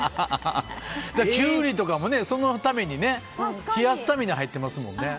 キュウリとかも冷やすために入ってますもんね。